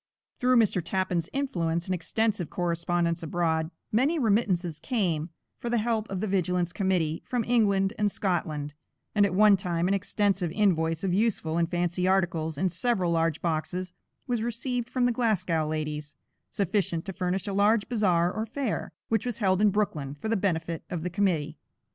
Through Mr. Tappan's influence and extensive correspondence abroad, many remittances came for the help of the "Vigilance Committee," from England and Scotland, and at one time, an extensive invoice of useful and fancy articles, in several large boxes, was received from the Glasgow ladies, sufficient to furnish a large bazaar or fair, which was held in Brooklyn, for the benefit of the Committee.